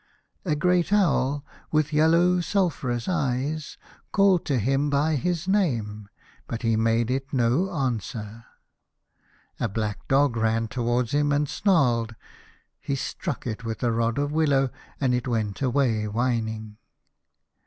A great owl, with yellow sulphurous eyes, called to him by his name, but he made it no answer. A black dog ran 7B The Fisherman and his Soul. towards him and snarled. He struck it with a rod of willow, and it went away whining.